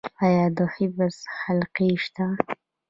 آیا د حفظ حلقې شته؟